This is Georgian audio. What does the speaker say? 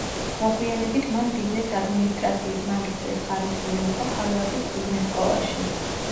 მოგვიანებით მან ბიზნეს ადმინისტრაციის მაგისტრის ხარისხი მიიღო ჰარვარდის ბიზნეს სკოლაში.